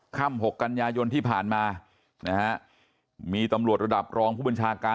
หกกันยายนที่ผ่านมานะฮะมีตำรวจระดับรองผู้บัญชาการ